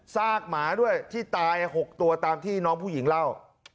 กหมาด้วยที่ตาย๖ตัวตามที่น้องผู้หญิงเล่า